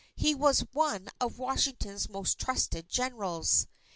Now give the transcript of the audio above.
He was one of Washington's most trusted generals.